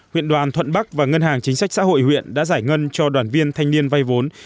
huyện đoàn thuận bắc và ngân hàng chính sách xã hội huyện đã giải ngân cho đoàn viên thanh niên vay vốn